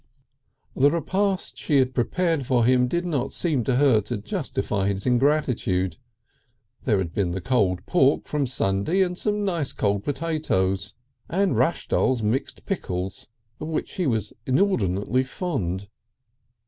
The repast she had prepared for him did not seem to her to justify his ingratitude. There had been the cold pork from Sunday and some nice cold potatoes, and Rashdall's Mixed Pickles, of which he was inordinately fond.